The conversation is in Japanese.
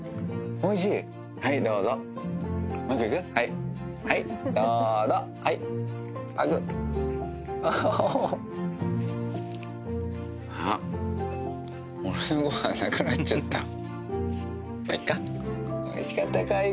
おいしかったか雪。